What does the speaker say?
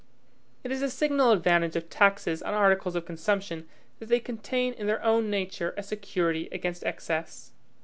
It is a signal advantage of taxes on articles of consumption, that they contain in their own nature a security against excess.